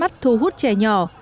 bắt thu hút trẻ nhỏ